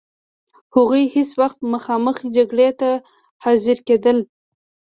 هغوی هیڅ وخت مخامخ جګړې ته حاضرېدل.